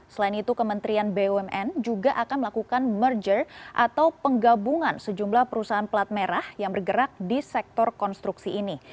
selain itu kementerian bumn juga akan melakukan merger atau penggabungan sejumlah perusahaan pelat merah yang bergerak di sektor konstruksi ini